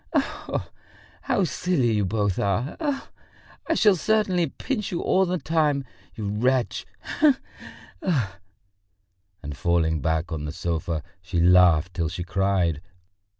Ha ha ha! How silly you both are! Ha ha ha! I shall certainly pinch you all the time, you wretch! Ha ha ha! Ha ha ha!" And falling back on the sofa, she laughed till she cried.